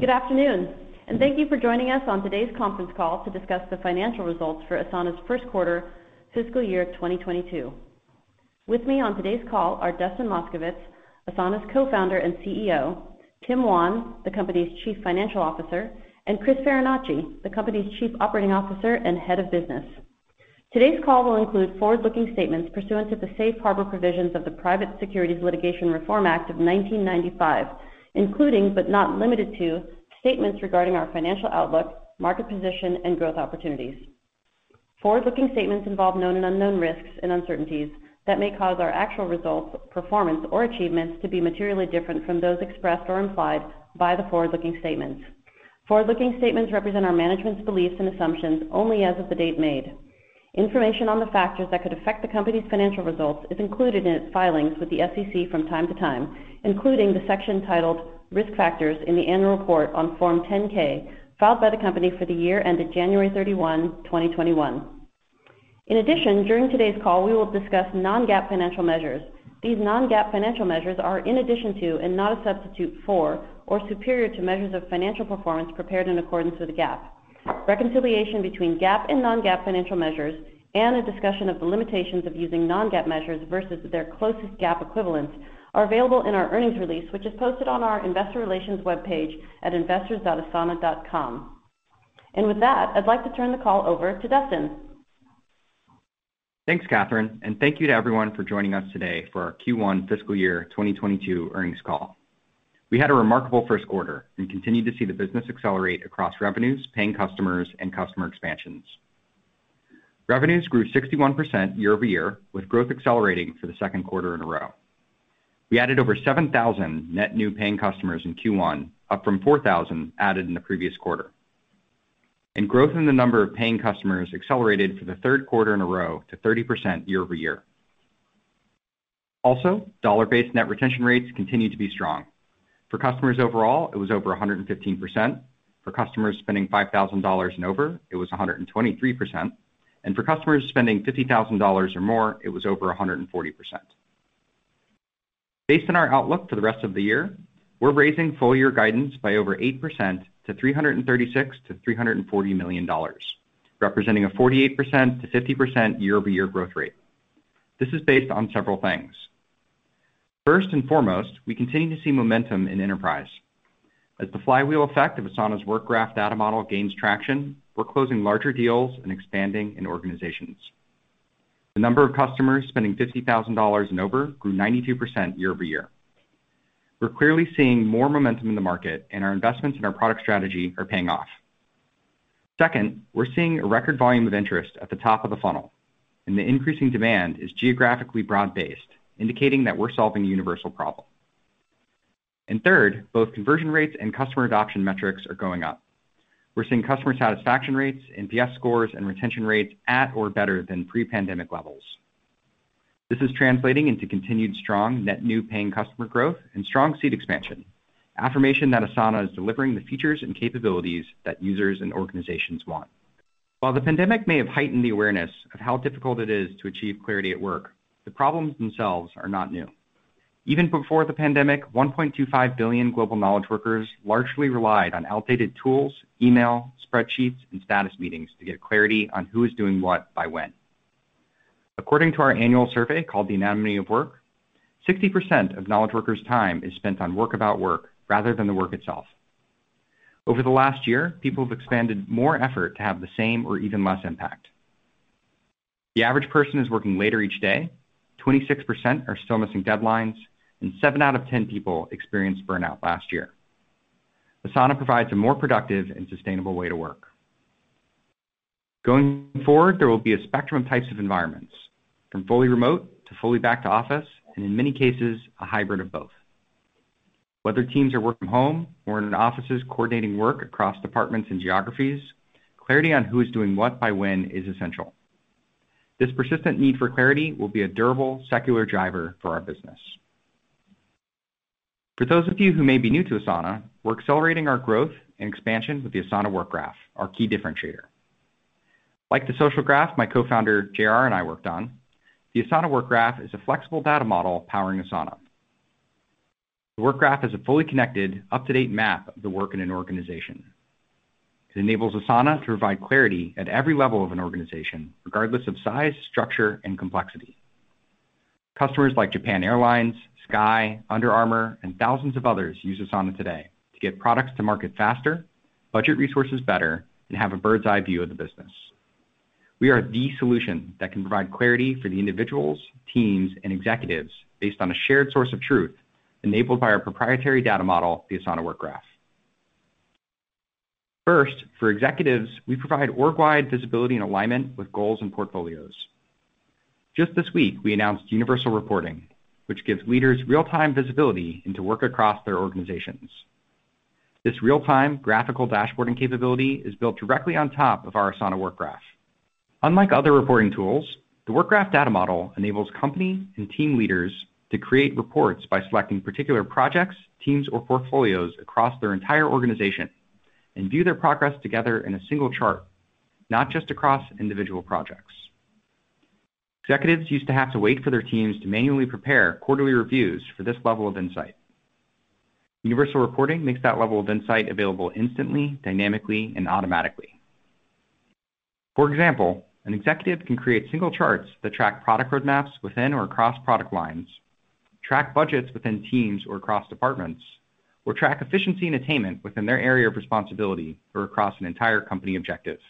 Good afternoon, and thank you for joining us on today's conference call to discuss the financial results for Asana's first quarter fiscal year 2022. With me on today's call are Dustin Moskovitz, Asana's co-founder and CEO; Tim Wan, the company's chief financial officer; and Chris Farinacci, the company's chief operating officer and head of business. Today's call will include forward-looking statements pursuant to the safe harbor provisions of the Private Securities Litigation Reform Act of 1995, including, but not limited to, statements regarding our financial outlook, market position, and growth opportunities. Forward-looking statements involve known and unknown risks and uncertainties that may cause our actual results, performance, or achievements to be materially different from those expressed or implied by the forward-looking statements. Forward-looking statements represent our management's beliefs and assumptions only as of the date made. Information on the factors that could affect the company's financial results is included in its filings with the SEC from time to time, including the section titled Risk Factors in the annual report on Form 10-K filed by the company for the year ended January 31, 2021. In addition, during today's call, we will discuss non-GAAP financial measures. These non-GAAP financial measures are in addition to and not a substitute for or superior to measures of financial performance prepared in accordance with GAAP. Reconciliation between GAAP and non-GAAP financial measures and a discussion of the limitations of using non-GAAP measures versus their closest GAAP equivalents are available in our earnings release, which is posted on our investor relations webpage at investors.asana.com. With that, I'd like to turn the call over to Dustin. Thanks, Catherine, and thank you to everyone for joining us today for our Q1 fiscal year 2022 earnings call. We had a remarkable first quarter and continued to see the business accelerate across revenues, paying customers, and customer expansions. Revenues grew 61% year-over-year, with growth accelerating for the second quarter in a row. We added over 7,000 net new paying customers in Q1, up from 4,000 added in the previous quarter. Growth in the number of paying customers accelerated for the third quarter in a row to 30% year-over-year. Also, dollar-based net retention rates continue to be strong. For customers overall, it was over 115%. For customers spending $5,000 and over, it was 123%, and for customers spending $50,000 or more, it was over 140%. Based on our outlook for the rest of the year, we're raising full-year guidance by over 8% to $336 million-$340 million, representing a 48%-50% year-over-year growth rate. This is based on several things. First and foremost, we continue to see momentum in enterprise. As the flywheel effect of Asana's Work Graph data model gains traction, we're closing larger deals and expanding in organizations. The number of customers spending $50,000 and over grew 92% year-over-year. We're clearly seeing more momentum in the market, and our investments in our product strategy are paying off. Second, we're seeing a record volume of interest at the top of the funnel, and the increasing demand is geographically broad-based, indicating that we're solving a universal problem. Third, both conversion rates and customer adoption metrics are going up. We're seeing customer satisfaction rates, NPS scores, and retention rates at or better than pre-pandemic levels. This is translating into continued strong net new paying customer growth and strong seat expansion, affirmation that Asana is delivering the features and capabilities that users and organizations want. While the pandemic may have heightened the awareness of how difficult it is to achieve clarity at work, the problems themselves are not new. Even before the pandemic, 1.25 billion global knowledge workers largely relied on outdated tools, email, spreadsheets, and status meetings to get clarity on who is doing what by when. According to our annual survey called The Anatomy of Work, 60% of knowledge workers' time is spent on work about work rather than the work itself. Over the last year, people have expanded more effort to have the same or even less impact. The average person is working later each day, 26% are still missing deadlines, and seven out of 10 people experienced burnout last year. Asana provides a more productive and sustainable way to work. Going forward, there will be a spectrum of types of environments, from fully remote to fully back to office, and in many cases, a hybrid of both. Whether teams are working from home or in offices coordinating work across departments and geographies, clarity on who is doing what by when is essential. This persistent need for clarity will be a durable secular driver for our business. For those of you who may be new to Asana, we're accelerating our growth and expansion with the Asana Work Graph, our key differentiator. Like the social graph my co-founder JR and I worked on, the Asana Work Graph is a flexible data model powering Asana. The Work Graph is a fully connected, up-to-date map of the work in an organization. It enables Asana to provide clarity at every level of an organization, regardless of size, structure, and complexity. Customers like Japan Airlines, Sky, Under Armour, and thousands of others use Asana today to get products to market faster, budget resources better, and have a bird's-eye view of the business. We are the solution that can provide clarity for the individuals, teams, and executives based on a shared source of truth enabled by our proprietary data model, the Asana Work Graph. For executives, we provide org-wide visibility and alignment with goals and portfolios. Just this week, we announced Universal Reporting, which gives leaders real-time visibility into work across their organizations. This real-time graphical dashboarding capability is built directly on top of our Asana Work Graph. Unlike other reporting tools, the Work Graph data model enables company and team leaders to create reports by selecting particular projects, teams, or portfolios across their entire organization and view their progress together in a single chart, not just across individual projects. Executives used to have to wait for their teams to manually prepare quarterly reviews for this level of insight. Universal Reporting makes that level of insight available instantly, dynamically, and automatically. For example, an executive can create single charts that track product roadmaps within or across product lines, track budgets within teams or across departments, or track efficiency and attainment within their area of responsibility or across an entire company objective.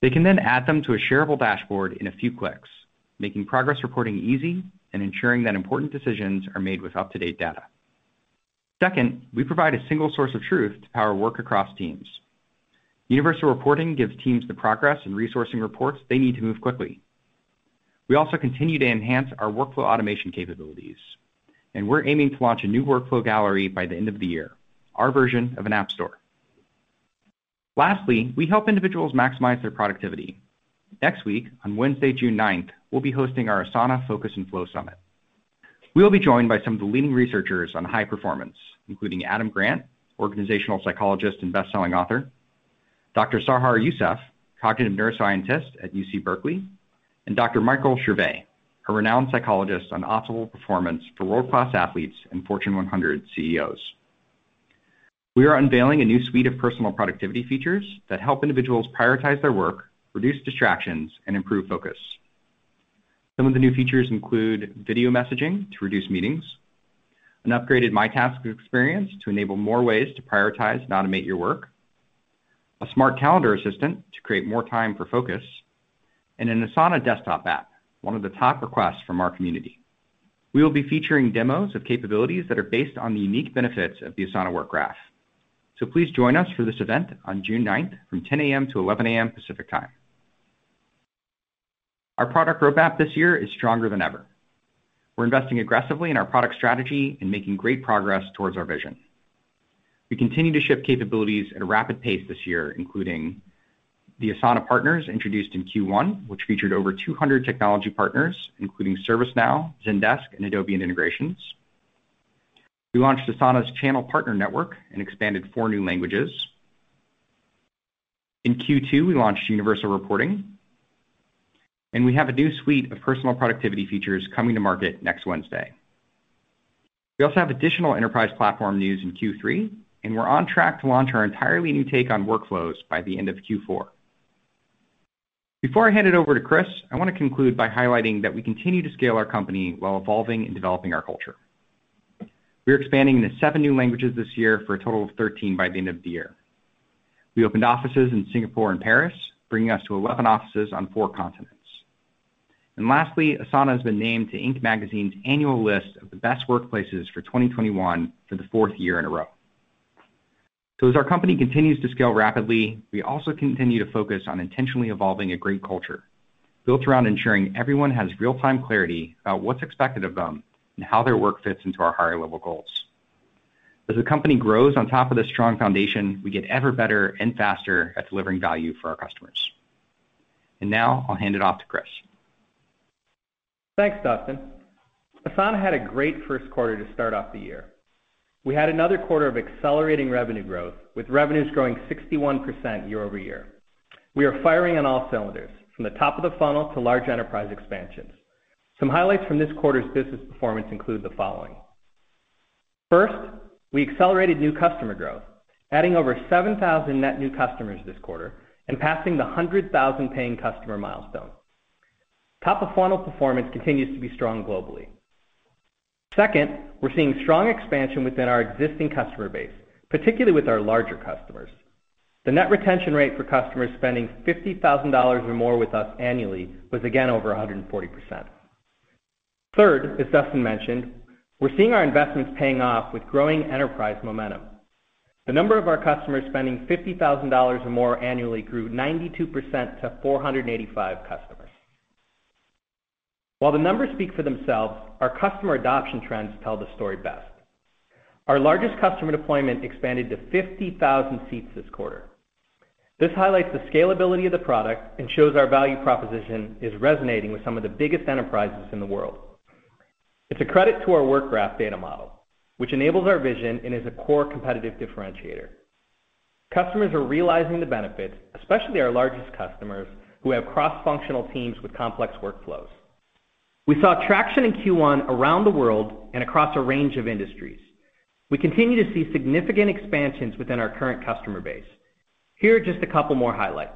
They can then add them to a shareable dashboard in a few clicks, making progress reporting easy and ensuring that important decisions are made with up-to-date data. Second, we provide a single source of truth to power work across teams. Universal Reporting gives teams the progress and resourcing reports they need to move quickly. We also continue to enhance our workflow automation capabilities, and we're aiming to launch a new Workflow Gallery by the end of the year, our version of an app store. Lastly, we help individuals maximize their productivity. Next week, on Wednesday, June 9th, we'll be hosting our Asana Focus and Flow Summit. We'll be joined by some of the leading researchers on high performance, including Adam Grant, organizational psychologist and best-selling author, Dr. Sahar Yousef, cognitive neuroscientist at UC Berkeley, and Dr. Michael Gervais, a renowned psychologist on optimal performance for world-class athletes and Fortune 100 CEOs. We are unveiling a new suite of personal productivity features that help individuals prioritize their work, reduce distractions, and improve focus. Some of the new features include video messaging to reduce meetings, an upgraded My Tasks experience to enable more ways to prioritize and automate your work, a smart calendar assistant to create more time for focus, and an Asana desktop app, one of the top requests from our community. We will be featuring demos of capabilities that are based on the unique benefits of the Asana Work Graph. Please join us for this event on June 9th from 10:00 A.M. to 11:00 A.M. Pacific Time. Our product roadmap this year is stronger than ever. We're investing aggressively in our product strategy and making great progress towards our vision. We continue to ship capabilities at a rapid pace this year, including the Asana Partners introduced in Q1, which featured over 200 technology partners, including ServiceNow, Zendesk, and Adobe integrations. We launched Asana's channel partner network and expanded four new languages. In Q2, we launched Universal Reporting, and we have a new suite of personal productivity features coming to market next Wednesday. We also have additional enterprise platform news in Q3, and we're on track to launch our entirely new take on workflows by the end of Q4. Before I hand it over to Chris, I want to conclude by highlighting that we continue to scale our company while evolving and developing our culture. We are expanding into seven new languages this year for a total of 13 by the end of the year. We opened offices in Singapore and Paris, bringing us to 11 offices on four continents. Lastly, Asana has been named to Inc. Magazine's annual list of the best workplaces for 2021 for the fourth year in a row. As our company continues to scale rapidly, we also continue to focus on intentionally evolving a great culture built around ensuring everyone has real-time clarity about what's expected of them and how their work fits into our higher-level goals. As the company grows on top of this strong foundation, we get ever better and faster at delivering value for our customers. Now I'll hand it off to Chris. Thanks, Dustin. Asana had a great first quarter to start off the year. We had another quarter of accelerating revenue growth, with revenues growing 61% year-over-year. We are firing on all cylinders, from the top of the funnel to large enterprise expansions. Some highlights from this quarter's business performance include the following. First, we accelerated new customer growth, adding over 7,000 net new customers this quarter and passing the 100,000 paying customer milestone. Top-of-funnel performance continues to be strong globally. Second, we're seeing strong expansion within our existing customer base, particularly with our larger customers. The net retention rate for customers spending $50,000 or more with us annually was again over 140%. Third, as Dustin mentioned, we're seeing our investments paying off with growing enterprise momentum. The number of our customers spending $50,000 or more annually grew 92% to 485 customers. While the numbers speak for themselves, our customer adoption trends tell the story best. Our largest customer deployment expanded to 50,000 seats this quarter. This highlights the scalability of the product and shows our value proposition is resonating with some of the biggest enterprises in the world. It's a credit to our Work Graph data model, which enables our vision and is a core competitive differentiator. Customers are realizing the benefits, especially our largest customers, who have cross-functional teams with complex workflows. We saw traction in Q1 around the world and across a range of industries. We continue to see significant expansions within our current customer base. Here are just a couple more highlights.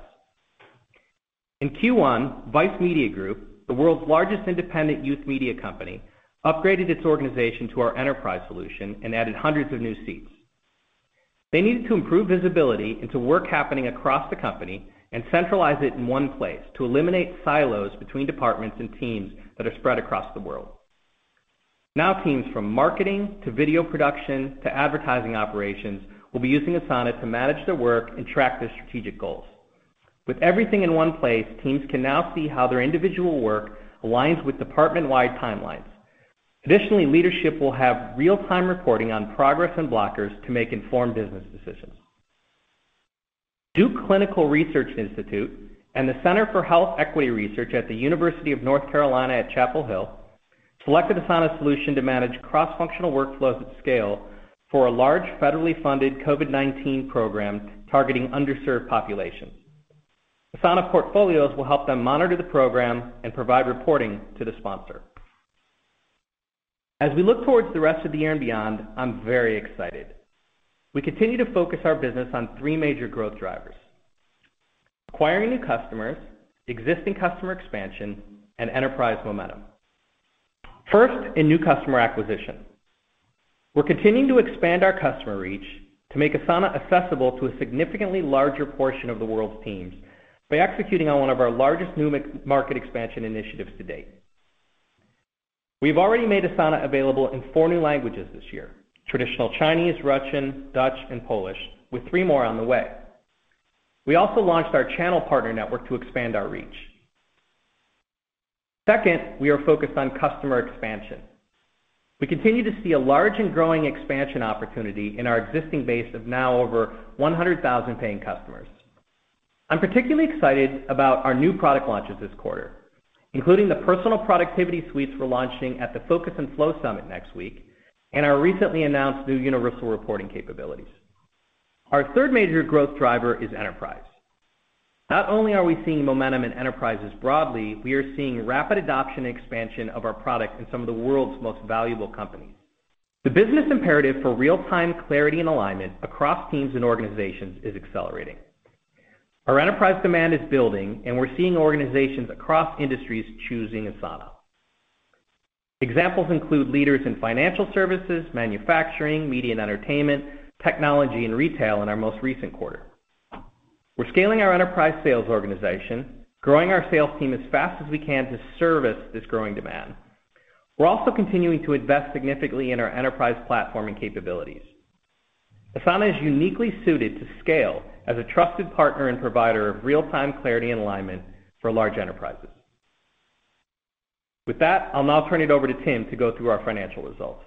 In Q1, Vice Media Group, the world's largest independent youth media company, upgraded its organization to our enterprise solution and added hundreds of new seats. They needed to improve visibility into work happening across the company and centralize it in one place to eliminate silos between departments and teams that are spread across the world. Now teams from marketing to video production to advertising operations will be using Asana to manage their work and track their strategic goals. With everything in one place, teams can now see how their individual work aligns with department-wide timelines. Additionally, leadership will have real-time reporting on progress and blockers to make informed business decisions. Duke Clinical Research Institute and the Center for Health Equity Research at the University of North Carolina at Chapel Hill selected Asana solution to manage cross-functional workflows at scale for a large federally funded COVID-19 program targeting underserved populations. Asana Portfolios will help them monitor the program and provide reporting to the sponsor. As we look towards the rest of the year and beyond, I'm very excited. We continue to focus our business on three major growth drivers. Acquiring new customers, existing customer expansion, and enterprise momentum. First, in new customer acquisition. We're continuing to expand our customer reach to make Asana accessible to a significantly larger portion of the world's teams by executing on one of our largest new market expansion initiatives to date. We've already made Asana available in four new languages this year, Traditional Chinese, Russian, Dutch, and Polish, with three more on the way. We also launched our channel partner network to expand our reach. Second, we are focused on customer expansion. We continue to see a large and growing expansion opportunity in our existing base of now over 100,000 paying customers. I'm particularly excited about our new product launches this quarter, including the personal productivity suites we're launching at the Focus and Flow Summit next week and our recently announced new Universal Reporting capabilities. Our third major growth driver is enterprise. Not only are we seeing momentum in enterprises broadly, we are seeing rapid adoption expansion of our products in some of the world's most valuable companies. The business imperative for real-time clarity and alignment across teams and organizations is accelerating. Our enterprise demand is building, and we're seeing organizations across industries choosing Asana. Examples include leaders in financial services, manufacturing, media and entertainment, technology, and retail in our most recent quarter. We're scaling our enterprise sales organization, growing our sales team as fast as we can to service this growing demand. We're also continuing to invest significantly in our enterprise platform and capabilities. Asana is uniquely suited to scale as a trusted partner and provider of real-time clarity and alignment for large enterprises. With that, I'll now turn it over to Tim Wan to go through our financial results.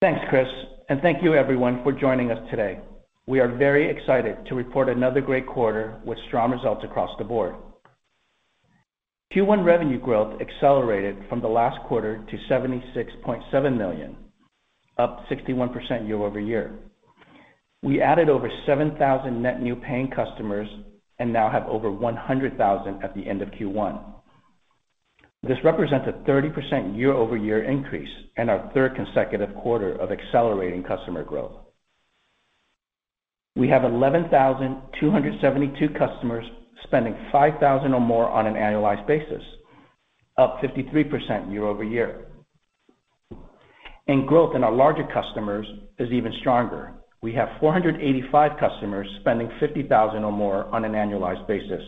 Thanks, Chris, and thank you, everyone, for joining us today. We are very excited to report another great quarter with strong results across the board. Q1 revenue growth accelerated from the last quarter to $76.7 million, up 61% year-over-year. We added over 7,000 net new paying customers and now have over 100,000 at the end of Q1. This represents a 30% year-over-year increase and our third consecutive quarter of accelerating customer growth. We have 11,272 customers spending $5,000 or more on an annualized basis, up 53% year-over-year. Growth in our larger customers is even stronger. We have 485 customers spending $50,000 or more on an annualized basis,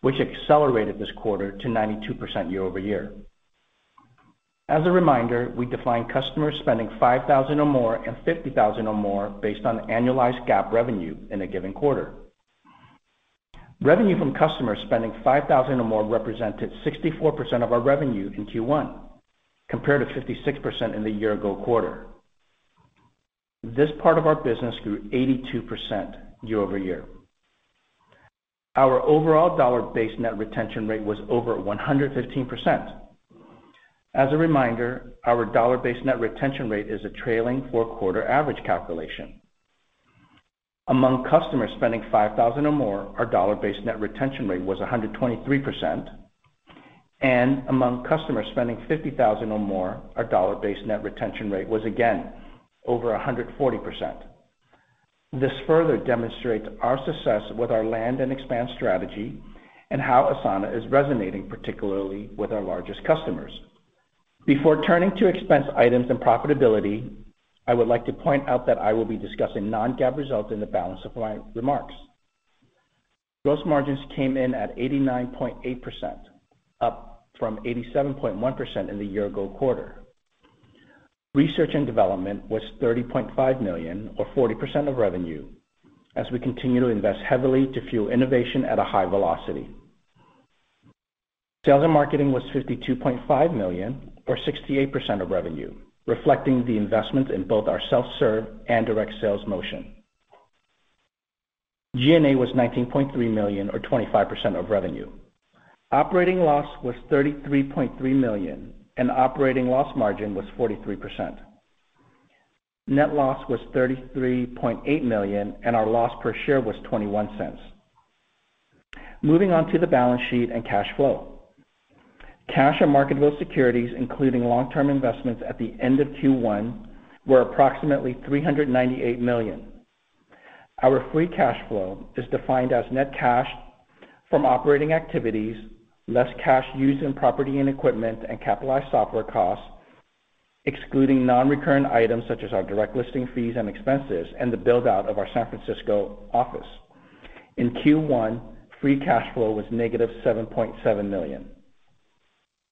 which accelerated this quarter to 92% year-over-year. As a reminder, we define customers spending $5,000 or more and $50,000 or more based on annualized GAAP revenue in a given quarter. Revenue from customers spending $5,000 or more represented 64% of our revenue in Q1, compared to 56% in the year-ago quarter. This part of our business grew 82% year-over-year. Our overall dollar-based net retention rate was over 115%. As a reminder, our dollar-based net retention rate is a trailing four-quarter average calculation. Among customers spending $5,000 or more, our dollar-based net retention rate was 123%, and among customers spending $50,000 or more, our dollar-based net retention rate was again over 140%. This further demonstrates our success with our land-and-expand strategy and how Asana is resonating, particularly with our largest customers. Before turning to expense items and profitability, I would like to point out that I will be discussing non-GAAP results in the balance of my remarks. Gross margins came in at 89.8%, up from 87.1% in the year-ago quarter. Research and development was $30.5 million or 40% of revenue, as we continue to invest heavily to fuel innovation at a high velocity. Sales and marketing was $52.5 million or 68% of revenue, reflecting the investment in both our self-serve and direct sales motions. G&A was $19.3 million or 25% of revenue. Operating loss was $33.3 million, and operating loss margin was 43%. Net loss was $33.8 million, and our loss per share was $0.21. Moving on to the balance sheet and cash flow. Cash and marketable securities, including long-term investments at the end of Q1, were approximately $398 million. Our free cash flow is defined as net cash from operating activities, less cash used in property and equipment and capitalized software costs, excluding non-recurring items such as our direct listing fees and expenses and the build-out of our San Francisco office. In Q1, free cash flow was negative $7.7 million.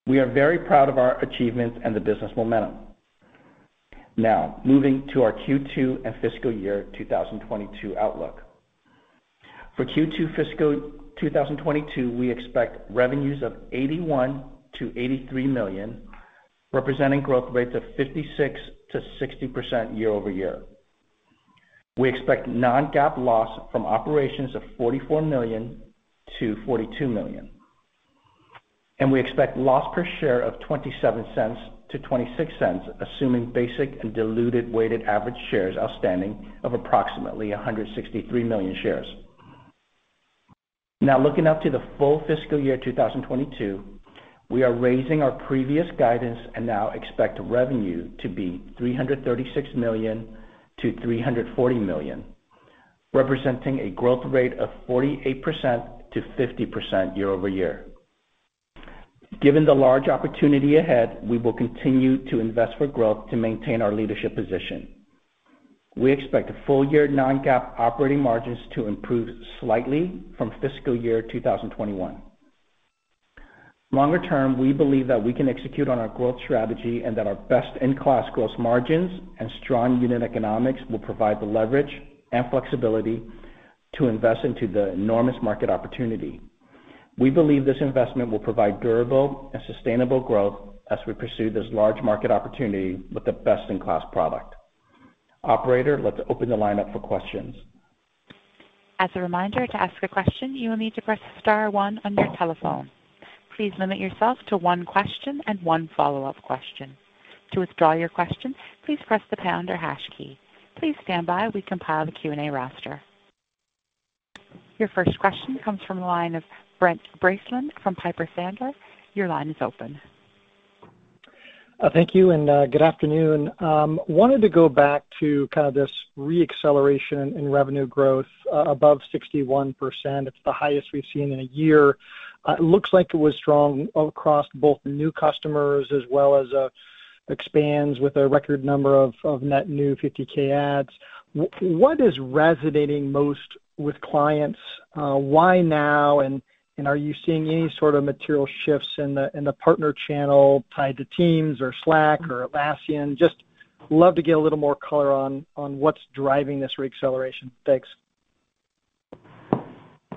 We are very proud of our achievements and the business momentum. Now, moving to our Q2 and fiscal year 2022 outlook. For Q2 fiscal 2022, we expect revenues of $81 million-$83 million, representing growth rates of 56%-60% year-over-year. We expect non-GAAP loss from operations of $44 million-$42 million, and we expect loss per share of $0.27-$0.26, assuming basic and diluted weighted average shares outstanding of approximately 163 million shares. Looking out to the full fiscal year 2022, we are raising our previous guidance and now expect revenue to be $336 million-$340 million, representing a growth rate of 48%-50% year-over-year. Given the large opportunity ahead, we will continue to invest for growth to maintain our leadership position. We expect full year non-GAAP operating margins to improve slightly from fiscal year 2021. Longer term, we believe that we can execute on our growth strategy and that our best-in-class gross margins and strong unit economics will provide the leverage and flexibility to invest into the enormous market opportunity. We believe this investment will provide durable and sustainable growth as we pursue this large market opportunity with a best-in-class product. Operator, let's open the line up for questions. As a reminder to ask your question, you need to press star one on your telephone; please limit yourself to one question and one follow-up question. To withdraw your question, please press the pound and hash key. Please standby while we compile the Q&A roster. Your first question comes from the line of Brent Bracelin from Piper Sandler. Your line is open. Thank you, and good afternoon. I wanted to go back to this re-acceleration in revenue growth above 61%. It's the highest we've seen in one year. It looks like it was strong across both new customers as well as expands with a record number of net new $50K adds. What is resonating most with clients? Why now? Are you seeing any sort of material shifts in the partner channel tied to Teams or Slack or Atlassian? I just love to get a little more color on what's driving this re-acceleration. Thanks.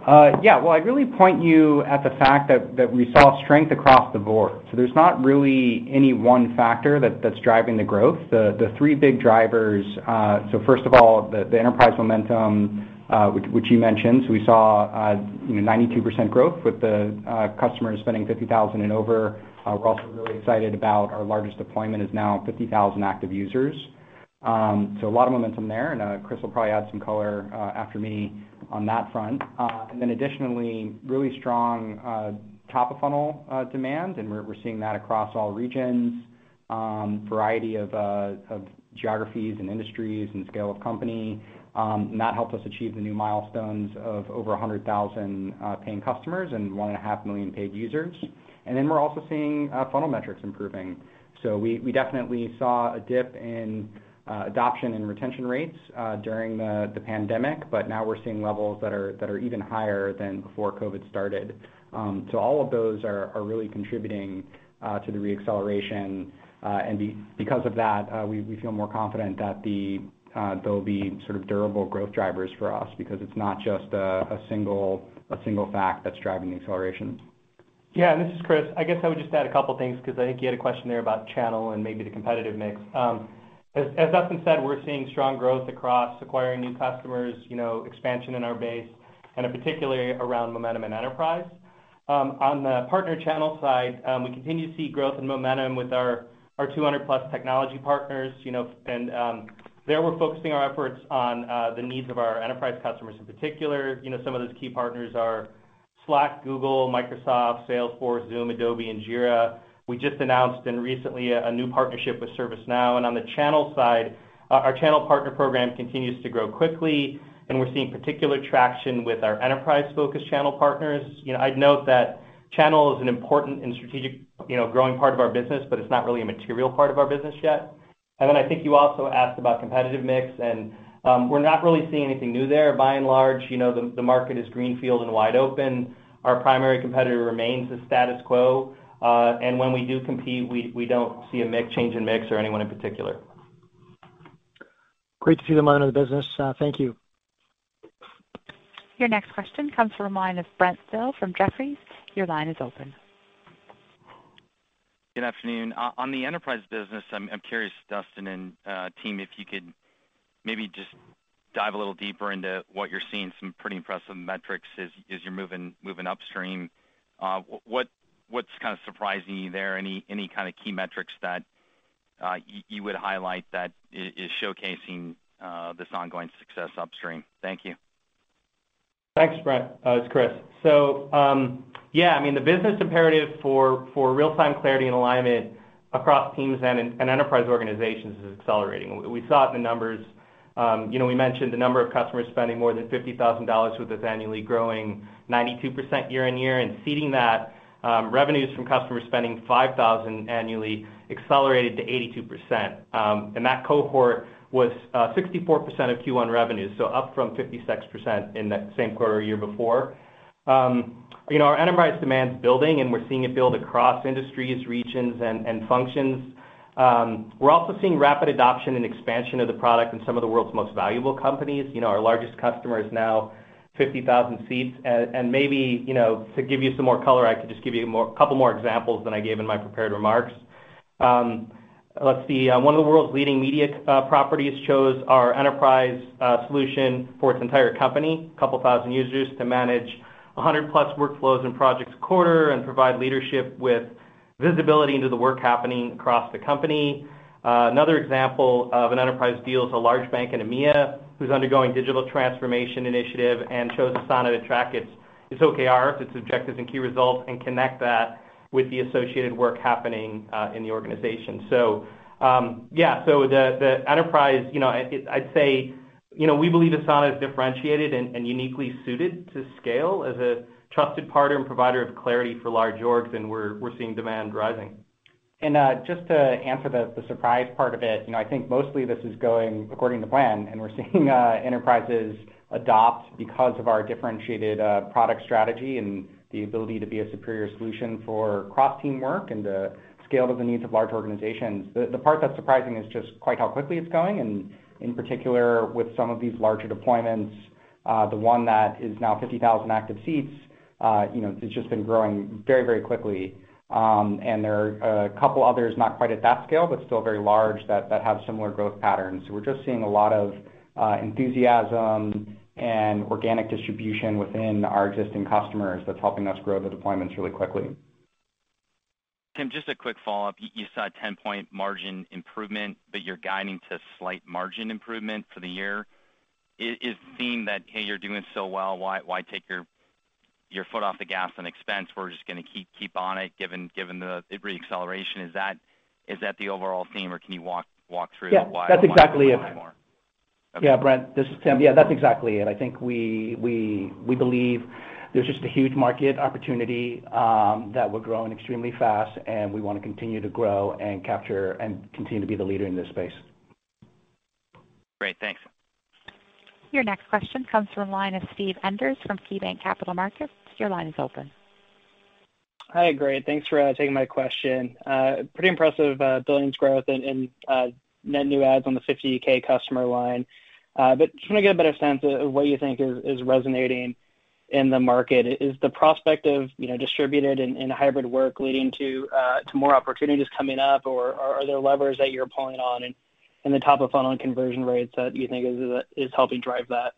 Well, I'd really point you at the fact that we saw strength across the board. There's not really any one factor that's driving the growth. The three big drivers are, first of all, the enterprise momentum, which you mentioned. We saw 92% growth with the customers spending $50,000 and over. We're also really excited about our largest deployment is now 50,000 active users. A lot of momentum there, and Chris will probably add some color after me on that front. Additionally, really strong top of funnel demand, and we're seeing that across all regions, variety of geographies and industries and scale of company. That helped us achieve the new milestones of over 100,000 paying customers and 1.5 million paid users. We're also seeing funnel metrics improving. We definitely saw a dip in adoption and retention rates during the pandemic, but now we're seeing levels that are even higher than before COVID started. All of those are really contributing to the re-acceleration. Because of that, we feel more confident that they'll be durable growth drivers for us because it's not just a single fact that's driving the acceleration. Yeah, this is Chris. I guess I would just add a couple things because I think you had a question there about channels and maybe the competitive mix. As Dustin said, we're seeing strong growth across acquiring new customers, expansion in our base, and particularly around momentum and enterprise. On the partner channel side, we continue to see growth and momentum with our 200-plus technology partners. There, we're focusing our efforts on the needs of our enterprise customers in particular. Some of those key partners are Slack, Google, Microsoft, Salesforce, Zoom, Adobe, and Jira. We just announced recently a new partnership with ServiceNow. On the channel side, our channel partner program continues to grow quickly, and we're seeing particular traction with our enterprise-focused channel partners. I'd note that channel is an important and strategic growing part of our business, but it's not really a material part of our business yet. Then I think you also asked about competitive mix, and we're not really seeing anything new there. By and large, the market is greenfield and wide open. Our primary competitor remains the status quo. When we do compete, we don't see a change in mix or anyone in particular. Great to see the momentum of the business. Thank you. Your next question comes from the line of Brent Thill from Jefferies. Your line is open. Good afternoon. On the enterprise business, I'm curious, Dustin and team, if you could maybe just dive a little deeper into what you're seeing. Some pretty impressive metrics as you're moving upstream. What's surprising you there? Any kind of key metrics that you would highlight that is showcasing this ongoing success upstream? Thank you. Thanks, Brent. It's Chris. Yeah, the business imperative for real-time clarity and alignment across teams and enterprise organizations is accelerating. We saw it in the numbers. We mentioned the number of customers spending more than $50,000 with us annually growing 92% year-on-year, and seeing that revenues from customers spending $5,000 annually accelerated to 82%. That cohort was 64% of Q1 revenues, up from 56% in that same quarter a year before. Our enterprise demand is building, and we're seeing it build across industries, regions, and functions. We're also seeing rapid adoption and expansion of the product in some of the world's most valuable companies. Our largest customer is now 50,000 seats. Maybe, to give you some more color, I could just give you a couple more examples than I gave in my prepared remarks. Let's see. One of the world's leading media properties chose our enterprise solution for its entire company, a couple thousand users, to manage 100-plus workflows and projects a quarter and provide leadership with visibility into the work happening across the company. Another example of an enterprise deal is a large bank in EMEA who's undergoing digital transformation initiative and chose Asana to track its OKRs, its objectives and key results, and connect that with the associated work happening in the organization. The enterprise, I'd say, we believe Asana is differentiated and uniquely suited to scale as a trusted partner and provider of clarity for large orgs, and we're seeing demand rising. Just to answer the surprise part of it, I think mostly this is going according to plan, and we're seeing enterprises adopt because of our differentiated product strategy and the ability to be a superior solution for cross-teamwork and to scale to the needs of large organizations. The part that's surprising is just quite how quickly it's going, and in particular, with some of these larger deployments. The one that is now 50,000 active seats, it's just been growing very, very quickly. There are a couple others, not quite at that scale, but still very large that have similar growth patterns. We're just seeing a lot of enthusiasm and organic distribution within our existing customers that's helping us grow the deployments really quickly. Tim, just a quick follow-up. You saw a 10-point margin improvement, but you're guiding to slight margin improvement for the year. Is it seeing that, hey, you're doing so well, why take your foot off the gas on expense? We're just going to keep on it given the re-acceleration. Is that the overall theme, or can you walk through why a little bit more? Yeah, that's exactly it. Yeah, Brent, this is Tim. Yeah, that's exactly it. I think we believe there's just a huge market opportunity that we're growing extremely fast. We want to continue to grow and capture and continue to be the leader in this space. Great. Thanks. Your next question comes from the line of Steve Enders from KeyBanc Capital Markets. Your line is open. Hi, great. Thanks for taking my question. Pretty impressive billings growth and net new adds on the 50K customer line. Can you give a bit of a sense of what you think is resonating in the market? Is the prospect of distributed and hybrid work leading to more opportunities coming up, or are there levers that you're pulling on in the top-of-funnel conversion rates that you think is helping drive that?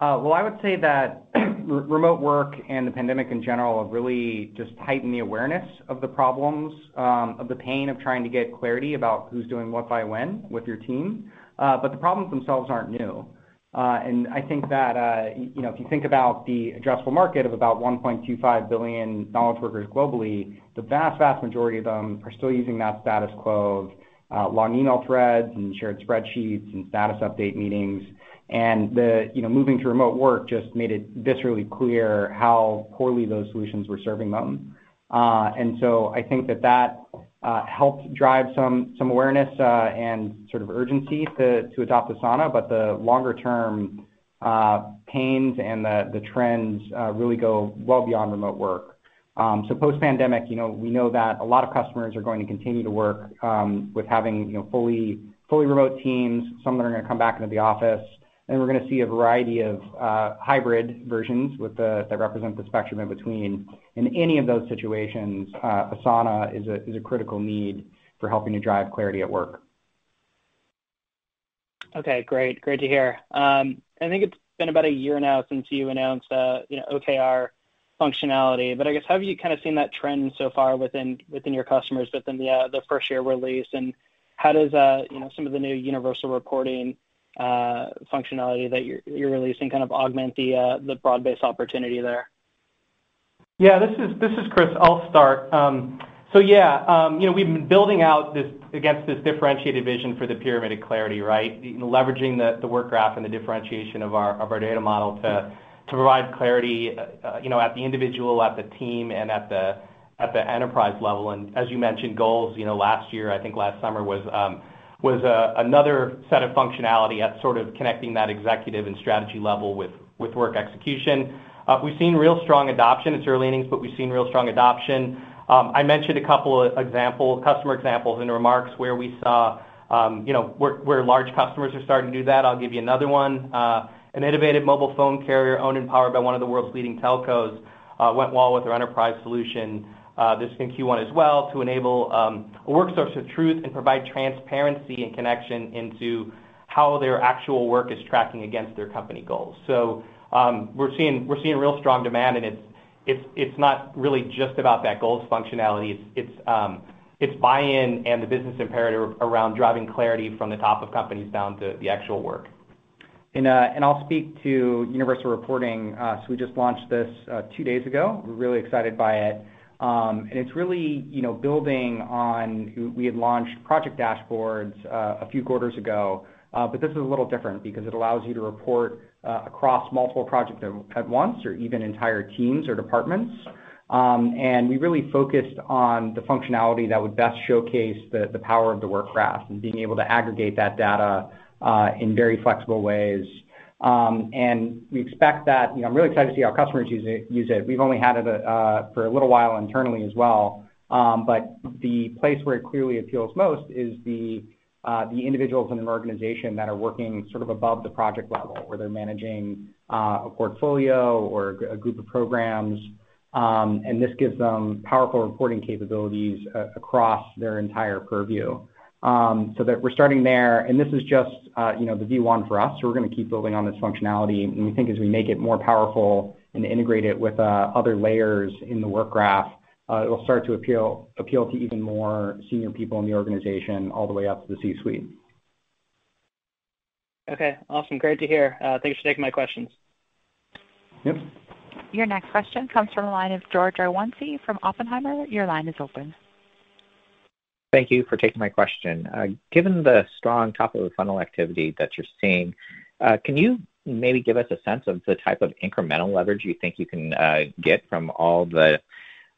Well, I would say that remote work and the pandemic, in general, have really just heightened the awareness of the problems, of the pain of trying to get clarity about who's doing what by when with your team. The problems themselves aren't new. I think that if you think about the addressable market of about 1.25 billion knowledge workers globally, the vast majority of them are still using that status quo of long email threads and shared spreadsheets and status update meetings. Moving to remote work just made it viscerally clear how poorly those solutions were serving them. I think that that helped drive some awareness and sort of urgency to adopt Asana, but the longer-term pains and the trends really go well beyond remote work. Post-pandemic, we know that a lot of customers are going to continue to work with having fully remote teams. Some are going to come back into the office, and we're going to see a variety of hybrid versions that represent the spectrum in between. In any of those situations, Asana is a critical need for helping you drive clarity at work. Okay, great. Great to hear. I think it has been about a year now since you announced OKR functionality, but I guess have you kind of seen that trend so far within your customers within the first-year release, and how does some of the new Universal Reporting functionality that you are releasing kind of augment the broad-based opportunity there? Yeah, this is Chris. I'll start. Yeah, we've been building out against this differentiated vision for the Pyramid of Clarity, right? Leveraging the Work Graph and the differentiation of our data model to provide clarity at the individual, at the team, and at the enterprise level. As you mentioned, goals, last year, I think last summer, was another set of functionality at sort of connecting that executive and strategy level with work execution. We've seen real strong adoption. It's early innings, but we've seen real strong adoption. I mentioned a couple of customer examples in remarks where we saw where large customers are starting to do that. I'll give you another one. An innovative mobile phone carrier owned and powered by one of the world's leading telcos wall-to-wall with our enterprise solution this Q1 as well, to enable a work source of truth and provide transparency and connection into how their actual work is tracking against their company goals. We're seeing real strong demand, and it's not really just about that goal's functionality. It's buy-in and the business imperative around driving clarity from the top of companies down to the actual work. I'll speak to Universal Reporting. We just launched this two days ago. We're really excited by it. It's really building on; we had launched project dashboards a few quarters ago, but this is a little different because it allows you to report across multiple projects at once or even entire teams or departments. We really focused on the functionality that would best showcase the power of the work graph and being able to aggregate that data in very flexible ways. I'm really excited to see our customers use it. We've only had it for a little while internally as well. The place where it clearly appeals most is the individuals in an organization that are working above the project level, where they're managing a portfolio or a group of programs. This gives them powerful reporting capabilities across their entire purview. That we're starting there, and this is just the V1 for us. We're going to keep building on this functionality. We think as we make it more powerful and integrate it with other layers in the work graph, it will start to appeal to even more senior people in the organization, all the way up to the C-suite. Okay. Awesome. Great to hear. Thanks for taking my questions. Yep. Your next question comes from the line of George Iwanyc from Oppenheimer & Co. Inc. Your line is open. Thank you for taking my question. Given the strong top-of-the-funnel activity that you're seeing, can you maybe give us a sense of the type of incremental leverage you think you can get from all the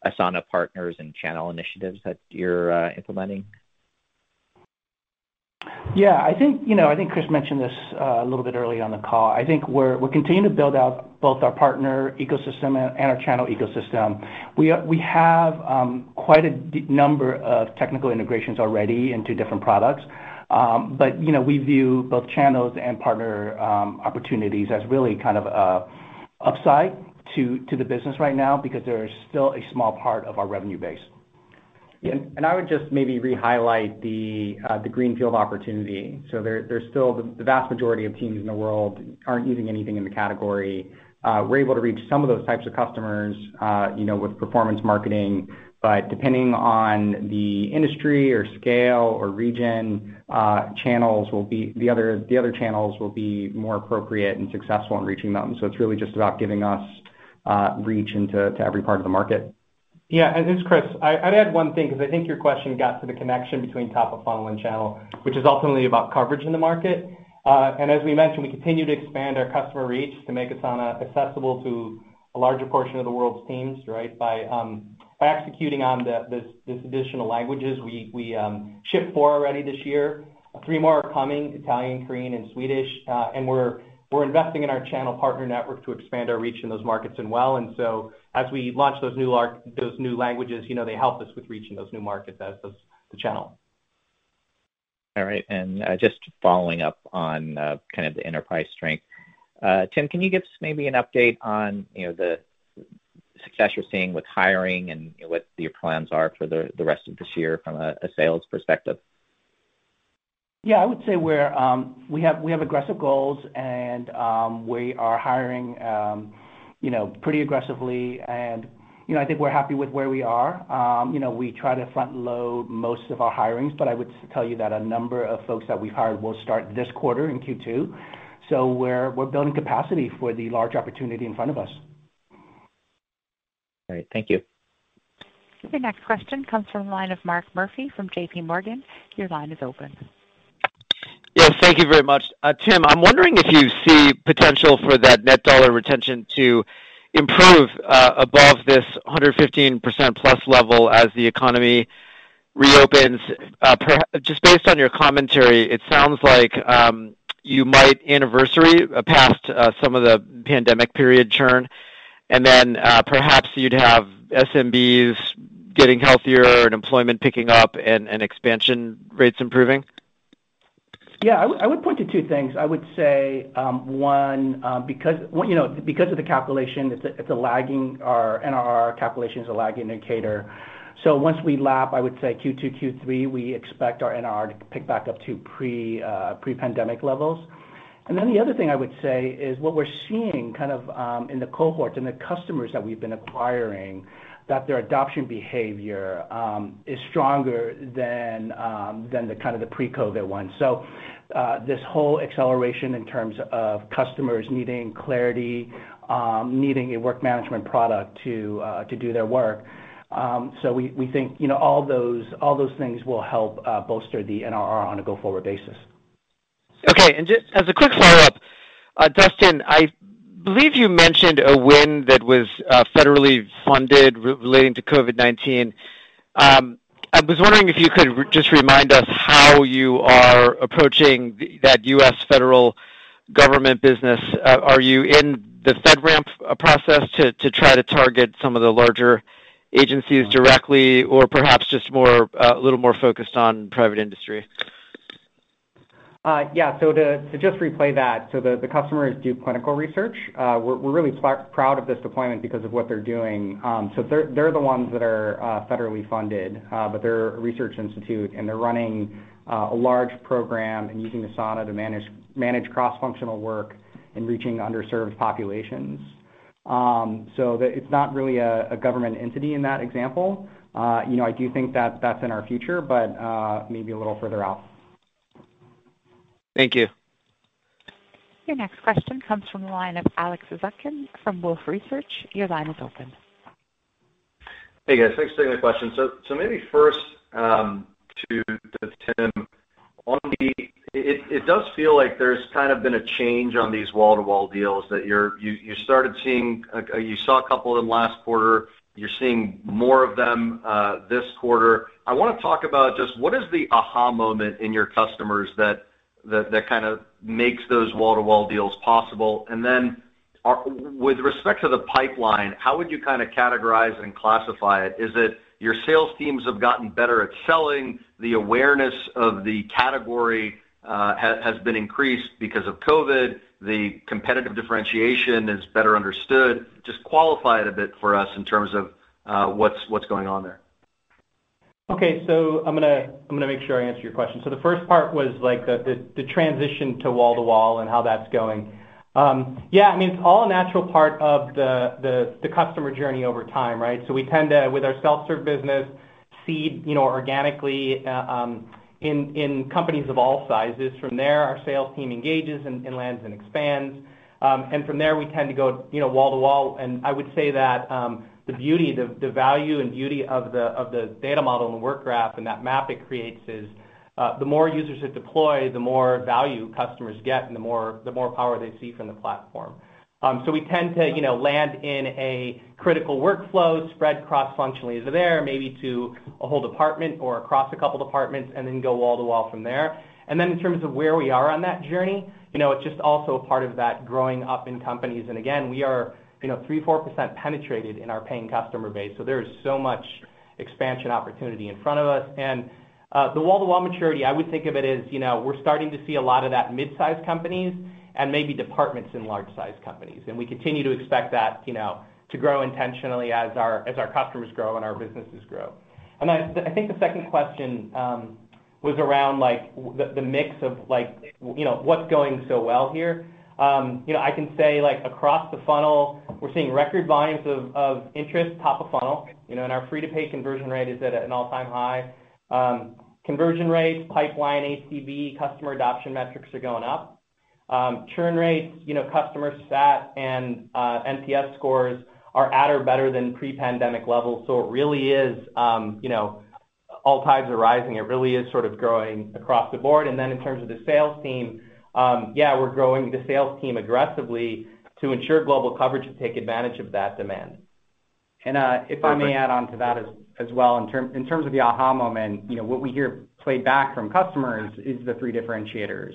Asana Partners and channel initiatives that you're implementing? I think Chris mentioned this a little bit earlier on the call. I think we're continuing to build out both our partner ecosystem and our channel ecosystem. We have quite a number of technical integrations already into different products. We view both channels and partner opportunities as really an upside to the business right now because they are still a small part of our revenue base. I would just maybe re-highlight the greenfield opportunity. The vast majority of teams in the world aren't using anything in the category. We're able to reach some of those types of customers with performance marketing. Depending on the industry or scale or region, the other channels will be more appropriate and successful in reaching them. It's really just about giving us reach into every part of the market. Yeah. This is Chris. I'd add one thing, because I think your question got to the connection between top-of-funnel and channel, which is ultimately about coverage in the market. As we mentioned, we continue to expand our customer reach to make Asana accessible to a larger portion of the world's teams by executing on these additional languages. We shipped four already this year. Three more are coming, Italian, Korean, and Swedish. We're investing in our channel partner network to expand our reach in those markets as well. As we launch those new languages, they help us with reaching those new markets as does the channel. All right. Just following up on kind of the enterprise strength. Tim, can you give us maybe an update on the success you're seeing with hiring and what your plans are for the rest of this year from a sales perspective? Yeah, I would say we have aggressive goals and we are hiring pretty aggressively. I think we're happy with where we are. We try to front-load most of our hirings, but I would tell you that a number of folks that we've hired will start this quarter in Q2. We're building capacity for the large opportunity in front of us. All right. Thank you. Your next question comes from the line of Mark Murphy from J.P. Morgan. Your line is open. Yes, thank you very much. Tim, I'm wondering if you see potential for that net dollar retention to improve above this 115%+ level as the economy reopens. Just based on your commentary, it sounds like you might anniversary past some of the pandemic period churn. Perhaps you'd have SMBs getting healthier and employment picking up and expansion rates improving? I would point to two things. I would say, one, because NRR calculation is lagging indicator. Once we lap, I would say Q2, Q3, we expect our NRR to pick back up to pre-pandemic levels. The other thing I would say is what we're seeing in the cohorts, in the customers that we've been acquiring, that their adoption behavior is stronger than the pre-COVID one. This whole acceleration in terms of customers needing clarity, needing a work management product to do their work. We think all those things will help bolster the NRR on a go-forward basis. Okay. Just as a quick follow-up, Dustin, I believe you mentioned a win that was federally funded relating to COVID-19. I was wondering if you could just remind us how you are approaching that U.S. federal government business. Are you in the FedRAMP process to try to target some of the larger agencies directly, or perhaps just a little more focused on private industry? To just replay that, the customer is Duke Clinical Research. We're really proud of this deployment because of what they're doing. They're the ones that are federally funded. They're a research institute, and they're running a large program and using Asana to manage cross-functional work and reaching underserved populations. It's not really a government entity in that example. I do think that that's in our future, but maybe a little further out. Thank you. Your next question comes from the line of Alex Zukin from Wolfe Research. Your line is open. Hey guys, thanks for taking my question. Maybe first, to Tim, it does feel like there's kind of been a change on these wall-to-wall deals that you saw a couple in the last quarter; you're seeing more of them this quarter. I want to talk about just what is the aha moment in your customers that makes those wall-to-wall deals possible. Then with respect to the pipeline, how would you categorize and classify it? Is it your sales teams have gotten better at selling, the awareness of the category has been increased because of COVID, the competitive differentiation is better understood? Just qualify it a bit for us in terms of what's going on there. Okay. I'm going to make sure I answer your question. The first part was the transition to wall-to-wall and how that's going. Yeah, I mean, it's all a natural part of the customer journey over time, right? We tend to, with our self-serve business, seed organically in companies of all sizes. From there, our sales team engages, and it lands and expands. From there, we tend to go wall-to-wall. I would say that the value and beauty of the data model in the Work Graph and that map it creates is, the more users that deploy, the more value customers get and the more power they see from the platform. We tend to land in a critical workflow, spread cross-functionally to there, maybe to a whole department or across a couple of departments, and then go wall-to-wall from there. Then in terms of where we are on that journey, it's just also a part of that growing up in companies. Again, we are 3%, 4% penetrated in our paying customer base, so there is so much expansion opportunity in front of us. The wall-to-wall maturity, I would think of it as we're starting to see a lot of that mid-size companies and maybe departments in large-size companies, and we continue to expect that to grow intentionally as our customers grow and our businesses grow. I think the second question was around the mix of what's going so well here. I can say across the funnel, we're seeing record volumes of interest top of funnel. Our free-to-pay conversion rate is at an all-time high. Conversion rates, pipeline, ACV, customer adoption metrics are going up. Churn rates, customer sat and NPS scores are at or better than pre-pandemic levels. It really is all tides are rising. It really is sort of growing across the board. In terms of the sales team, yeah, we're growing the sales team aggressively to ensure global coverage to take advantage of that demand Perfect. If I may add on to that as well, in terms of the aha moment, what we hear played back from customers is the three differentiators.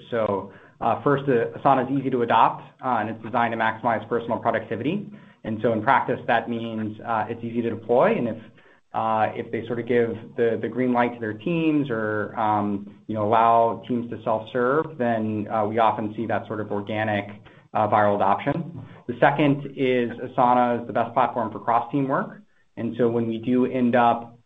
First, Asana is easy to adopt, and it's designed to maximize personal productivity. In practice, that means, it's easy to deploy, and if they sort of give the green light to their teams or allow teams to self-serve, then we often see that sort of organic, viral adoption. The second is Asana is the best platform for cross-team work. When we do end up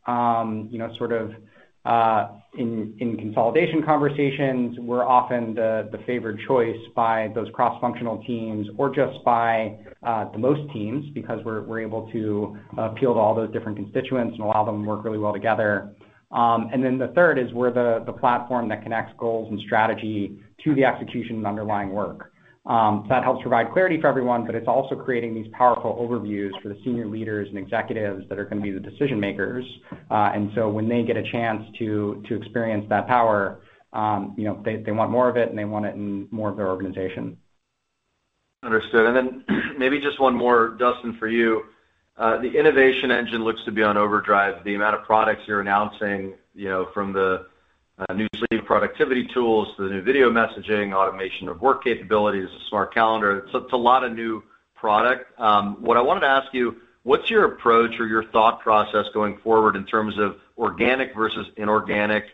in consolidation conversations, we're often the favored choice by those cross-functional teams or just by the most teams because we're able to appeal to all those different constituents and allow them to work really well together. The third is we're the platform that connects goals and strategy to the execution of underlying work. That helps provide clarity for everyone, but it's also creating these powerful overviews for the senior leaders and executives that are going to be the decision-makers. When they get a chance to experience that power, they want more of it, and they want it in more of their organization. Understood. Maybe just one more, Dustin, for you. The innovation engine looks to be on overdrive. The amount of products you're announcing, from the new suite of productivity tools to the new video messaging, automation of work capabilities, the smart calendar. It's a lot of new product. What I wanted to ask you, what's your approach or your thought process going forward in terms of organic versus inorganic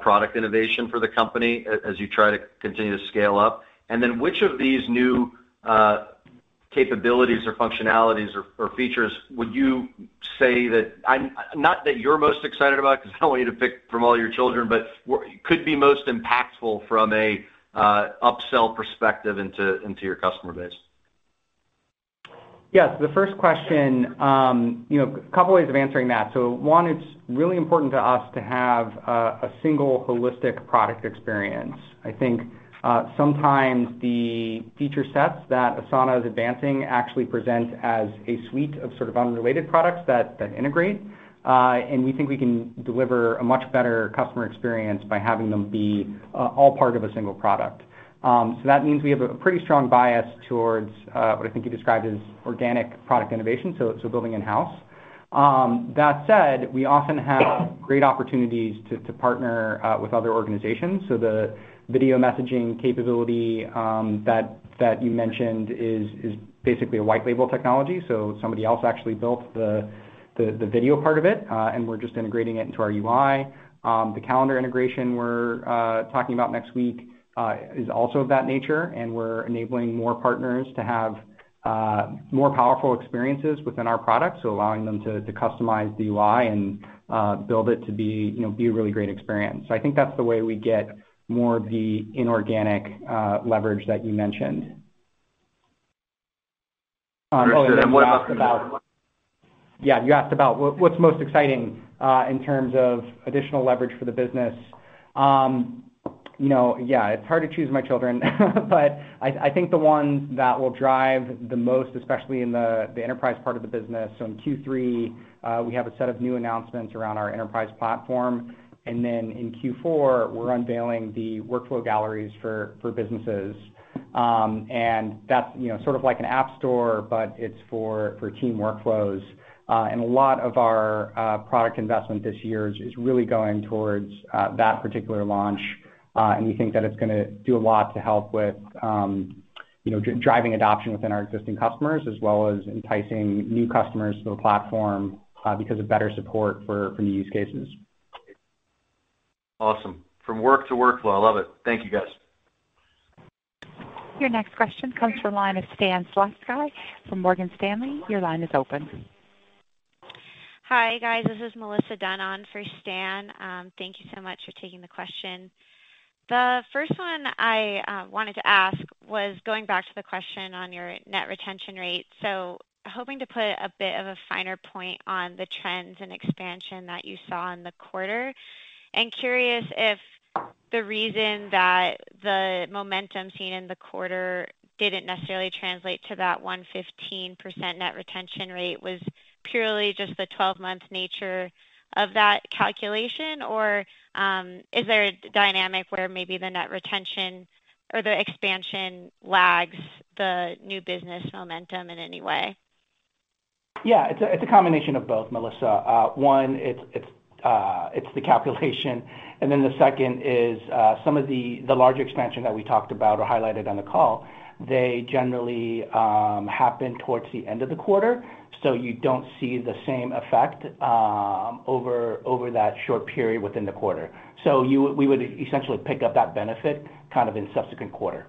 product innovation for the company as you try to continue to scale up? Which of these new capabilities or functionalities or features would you say that, not that you're most excited about because there's no way to pick from all your children, but could be most impactful from a upsell perspective into your customer base? Yeah, the first question, a couple ways of answering that. One, it's really important to us to have a single holistic product experience. I think, sometimes, the feature sets that Asana is advancing actually present as a suite of sort of unrelated products that integrate. We think we can deliver a much better customer experience by having them be all part of a single product. That means we have a pretty strong bias towards what I think you described as organic product innovation, so building in-house. That said, we often have great opportunities to partner with other organizations. The video messaging capability that you mentioned is basically a white-label technology. Somebody else actually built the video part of it, and we're just integrating it into our UI. The calendar integration we're talking about next week is also of that nature, and we're enabling more partners to have more powerful experiences within our product. Allowing them to customize the UI and build it to be a really great experience. I think that's the way we get more of the inorganic leverage that you mentioned Oh, you asked about. Yeah, you asked about what's most exciting in terms of additional leverage for the business? Yeah, it's hard to choose my children, but I think the ones that will drive the most, especially in the enterprise part of the business. In Q3, we have a set of new announcements around our enterprise platform, and then in Q4, we're unveiling the Workflow Galleries for businesses. That's sort of like an app store, but it's for team workflows. A lot of our product investment this year is really going towards that particular launch. We think that it's going to do a lot to help with driving adoption within our existing customers as well as enticing new customers to the platform because of better support for new use cases. Awesome. From work to workflow. I love it. Thank you, guys. Your next question comes from the line of Stan Zlotsky from Morgan Stanley. Your line is open. Hi, guys. This is Melissa Dunn for Stan. Thank you so much for taking the question. The first one I wanted to ask was going back to the question on your net retention rate. Hoping to put a bit of a finer point on the trends and expansion that you saw in the quarter. Curious if the reason that the momentum seen in the quarter didn't necessarily translate to that 115% net retention rate was purely just the 12-month nature of that calculation, or is there a dynamic where maybe the net retention or the expansion lags the new business momentum in any way? It's a combination of both, Melissa. One, it's the calculation. The second is some of the larger expansion that we talked about or highlighted on the call, they generally happen towards the end of the quarter, so you don't see the same effect over that short period within the quarter. We would essentially pick up that benefit kind of in subsequent quarter.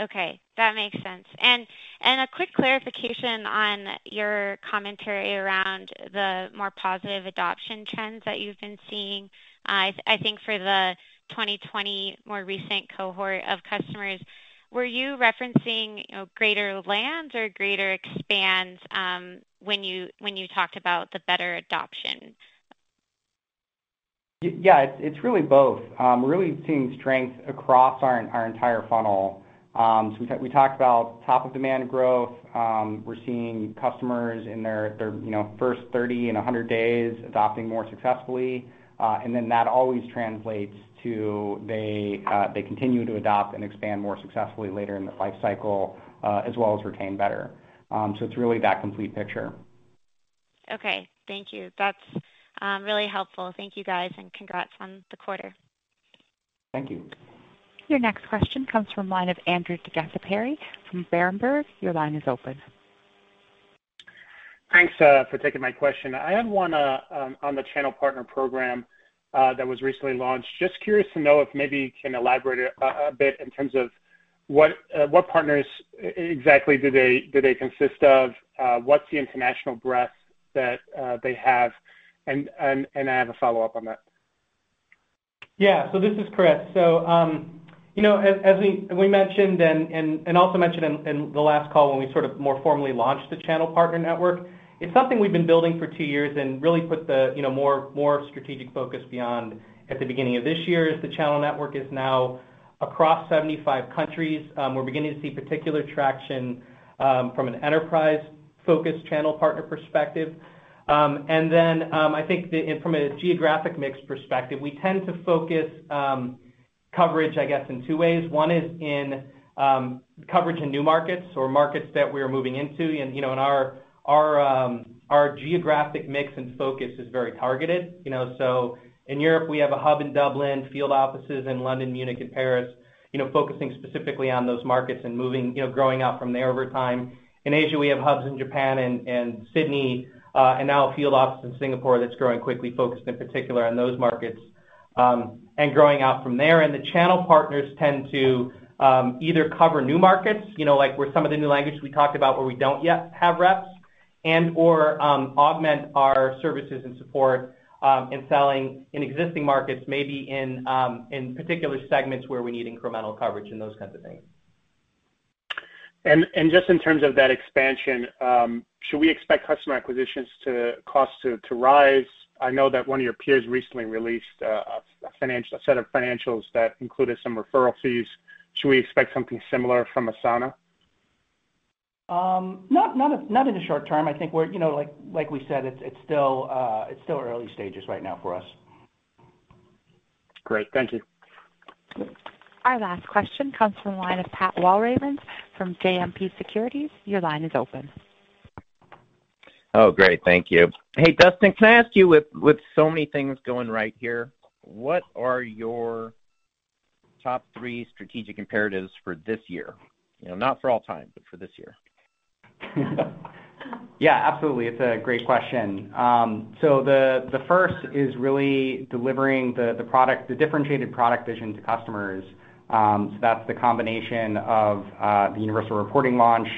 Okay. That makes sense. A quick clarification on your commentary around the more positive adoption trends that you've been seeing, I think for the 2020 more recent cohort of customers, were you referencing greater lands or greater expands when you talked about the better adoption? It's really both. We're really seeing strength across our entire funnel. We talked about top-of-demand growth. We're seeing customers in their first 30 and 100 days adopting more successfully. That always translates to they continue to adopt and expand more successfully later in the life cycle, as well as retain better. It's really that complete picture. Okay. Thank you. That's really helpful. Thank you, guys, and congrats on the quarter. Thank you. Your next question comes from the line of Andrew DeGasperi from Berenberg. Your line is open. Thanks for taking my question. I had one on the channel partner program that was recently launched. Just curious to know if maybe you can elaborate a bit in terms of what partners exactly do they consist of, what's the international breadth that they have? I have a follow-up on that. Yeah. This is Chris. As we mentioned and also mentioned in the last call when we sort of more formally launched the channel partner network, it is something we have been building for two years and really put the more strategic focus beyond at the beginning of this year, as the channel network is now across 75 countries. We are beginning to see particular traction from an enterprise-focused channel partner perspective. Then, I think from a geographic mix perspective, we tend to focus coverage, I guess, in two ways. One is in coverage in new markets or markets that we are moving into. Our geographic mix and focus is very targeted. In Europe, we have a hub in Dublin, field offices in London, Munich, and Paris focusing specifically on those markets and growing out from there over time. In Asia, we have hubs in Japan and Sydney and now a field office in Singapore that's growing quickly, focused in particular on those markets and growing out from there. The channel partners tend to either cover new markets, like with some of the new languages we talked about where we don't yet have reps, and/or augment our services and support in selling in existing markets, maybe in particular segments where we need incremental coverage and those kinds of things. Just in terms of that expansion, should we expect customer acquisition costs to rise? I know that one of your peers recently released a set of financials that included some referral fees. Should we expect something similar from Asana? Not in the short term. I think like we said, it's still early stages right now for us. Great. Thank you. Our last question comes from the line of Patrick Walravens from JMP Securities. Your line is open. Oh, great. Thank you. Hey, Dustin, can I ask you, with so many things going right here, what are your top three strategic imperatives for this year? Not for all time, but for this year. Yeah, absolutely. It's a great question. The first is really delivering the differentiated product vision to customers. That's the combination of the Universal Reporting launch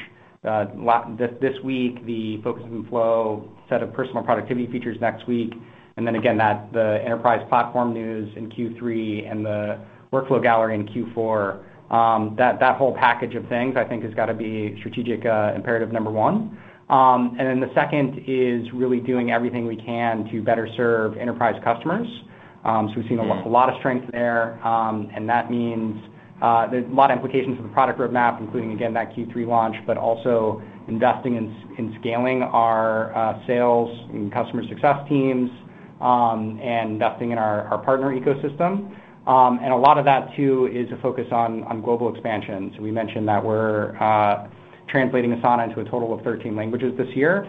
this week, the Focus and Flow set of personal productivity features next week, and then again, the enterprise platform news in Q3 and the Workflow Gallery in Q4. That whole package of things, I think, has got to be strategic imperative number one. The second is really doing everything we can to better serve enterprise customers. We've seen a lot of strength there, and that means there's a lot of implications for the product roadmap, including, again, that Q3 launch, but also investing in scaling our sales and customer success teams and investing in our partner ecosystem. A lot of that too is a focus on global expansion. We mentioned that we're translating Asana into a total of 13 languages this year.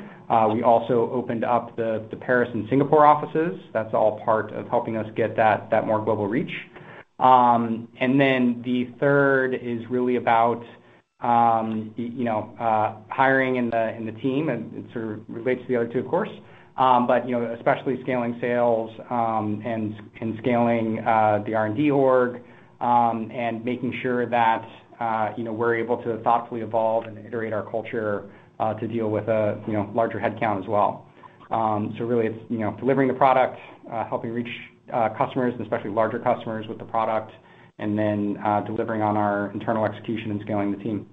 We also opened up the Paris and Singapore offices. That's all part of helping us get that more global reach. The third is really about hiring in the team, and it sort of relates to the other two, of course. Especially scaling sales and scaling the R&D org and making sure that we're able to thoughtfully evolve and iterate our culture to deal with a larger headcount as well. Really, it's delivering the product, helping reach customers, and especially larger customers with the product, and then delivering on our internal execution and scaling the team.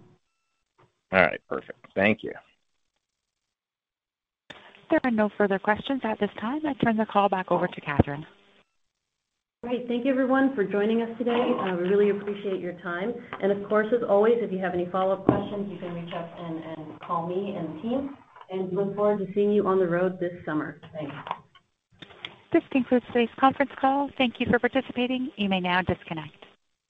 All right. Perfect. Thank you. There are no further questions at this time. I turn the call back over to Catherine. Great. Thank you, everyone, for joining us today. We really appreciate your time. Of course, as always, if you have any follow-up questions, you can reach us and call me and the team, and we look forward to seeing you on the road this summer. Thanks. This concludes today's conference call. Thank you for participating. You may now disconnect.